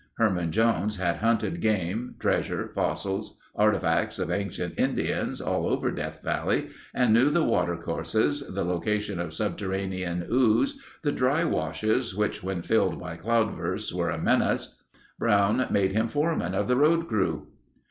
Herman Jones had hunted game, treasure, fossils, artifacts of ancient Indians all over Death Valley and knew the water courses, the location of subterranean ooze, the dry washes which when filled by cloudbursts were a menace. Brown made him foreman of the road crew.